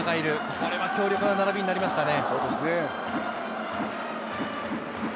これは強力な並びになりましたね。